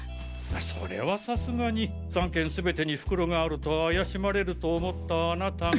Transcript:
それはさすがに３件全てに袋があると怪しまれると思ったあなたが。